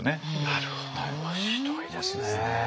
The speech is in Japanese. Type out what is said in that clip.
なるほど面白いですね。